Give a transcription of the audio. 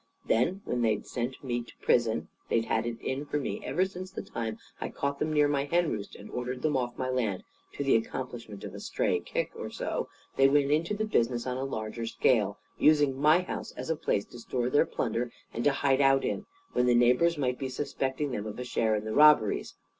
Then, when they'd sent me to prison they'd had it in for me ever since the time I caught them near my hen roost and ordered them off my land, to the accompaniment of a stray kick or so they went into the business on a larger scale, using my house as a place to store their plunder and to hide out in, when the neighbours might be suspecting them of a share in the robberies.